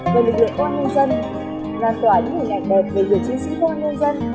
về lực lượng công an nhân dân làn tỏa những hình ảnh đẹp về người chiến sĩ công an nhân dân